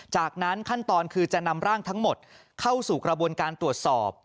จากนั้นขั้นตอนคือจะนำร่างทั้งหมดเข้าสู่กระบวนการตรวจสอบ